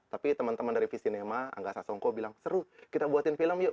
tapi teman teman dari visinema angga sasongko bilang seru kita buatin film yuk